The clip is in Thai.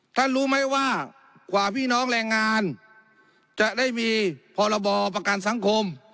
รู้ไหมว่ากว่าพี่น้องแรงงานจะได้มีพรบประกันสังคม